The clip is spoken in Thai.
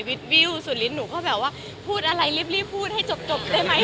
วิวสุดลิ้นหนูก็แบบว่าพูดอะไรรีบพูดให้จบได้ไหม